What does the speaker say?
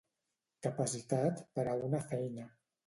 Capacitat per a una feina.